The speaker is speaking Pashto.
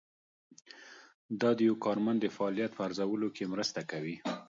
دا د یو کارمند د فعالیت په ارزولو کې مرسته کوي.